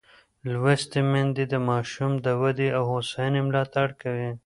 لوستې میندې د ماشوم د ودې او هوساینې ملاتړ کوي.